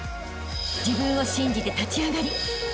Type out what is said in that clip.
［自分を信じて立ち上がりあしたへ